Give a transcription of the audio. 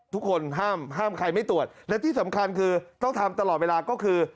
ทุกคนห้ามห้ามใครไม่ตรวจและที่สำคัญคือต้องทำตลอดเวลาก็คือ